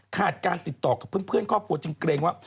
ขาดการติดต่อกับเพื่อนครอบครัวจึงเกรงว่า